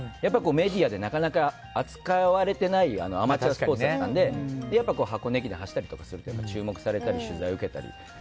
メディアでなかなか扱われていないアマチュアスポーツだったのでやっぱり箱根駅伝を走ったりすると注目されたり取材を受けたり。